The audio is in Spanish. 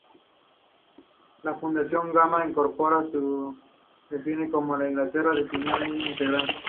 La función gamma incompleta se define como una integral definida del mismo integrando.